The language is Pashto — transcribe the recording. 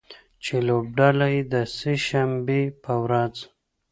چې لوبډله یې د سې شنبې په ورځ